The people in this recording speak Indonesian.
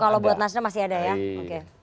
kalau buat nasdem masih ada ya